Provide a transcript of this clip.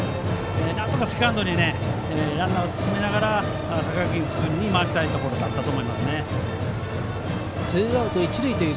なんとかセカンドにランナーを進めながら高木君に回したいところでしたね。